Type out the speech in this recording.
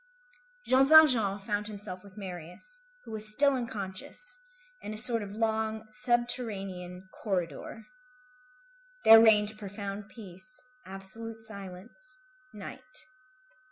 Jean Valjean found himself with Marius, who was still unconscious, in a sort of long, subterranean corridor. There reigned profound peace, absolute silence, night.